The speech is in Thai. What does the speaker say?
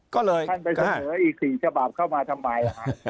ก็เลยแล้วจะเสนออีก๖ฉบาพเอามาทำไง